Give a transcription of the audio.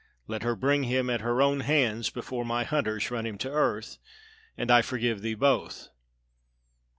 Let her bring him at her own hands before my hunters run him to earth, and I forgive thee both.